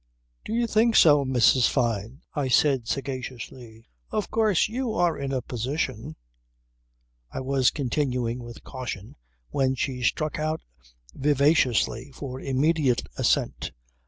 "Do you think so, Mrs. Fyne?" I said sagaciously. "Of course you are in a position ..." I was continuing with caution when she struck out vivaciously for immediate assent.